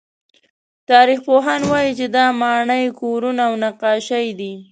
تاریخپوهان وایي چې دا ماڼۍ، کورونه او نقاشۍ دي.